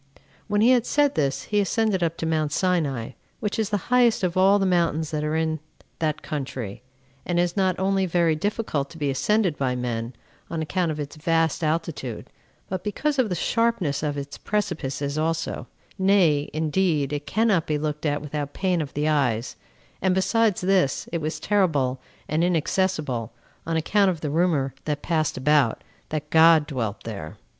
When he had said this, he ascended up to Mount Sinai, which is the highest of all the mountains that are in that country 9 and is not only very difficult to be ascended by men, on account of its vast altitude, but because of the sharpness of its precipices also; nay, indeed, it cannot be looked at without pain of the eyes: and besides this, it was terrible and inaccessible, on account of the rumor that passed about, that God dwelt there.